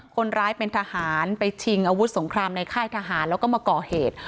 คนร้ายเป็นทหารไปชิงอาวุธสงครามในค่ายทหารแล้วก็มาก่อเหตุ